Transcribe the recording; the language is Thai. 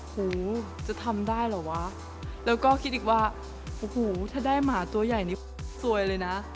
หูจะทำได้เหรอวะแล้วก็คิดอีกว่าโอ้โหถ้าได้หมาตัวใหญ่นี่สวยเลยนะ